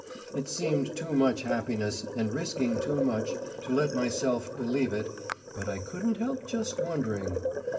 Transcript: It seemed too much happiness and risking too much to let myself believe it, but I couldn't help just wondering.